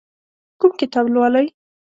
کوم کتاب لولئ؟